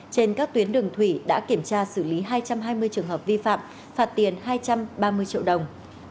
trên các tuyến đường thủy đã kiểm tra xử lý hai trăm hai mươi trường hợp vi phạm phạt tiền hai trăm ba mươi triệu đồng